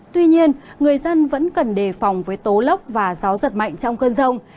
tuy nhiên người dân vẫn cần đề phòng với tố lốc và gió giật mạnh trong cơn rông